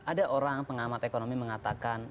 ada orang pengamat ekonomi mengatakan